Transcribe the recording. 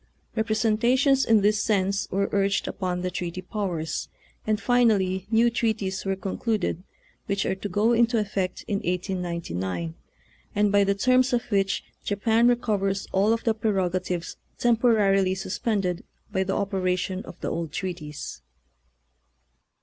Eepresentations in this sense were urged upon the treaty powers, and finally new treaties were concluded, which are to go into effect in 1899, and by the terms of which Japan recovers all of the prerogatives temporarily suspended by the operation of the old treaties.